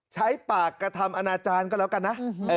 ใช้ปากกระทำอนาจารย์ก็แล้วกันนะ